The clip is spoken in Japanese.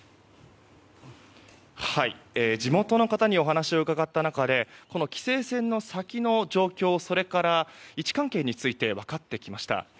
地元の方にお話を伺った中でこの規制線の先の状況それから位置関係について分かってきました。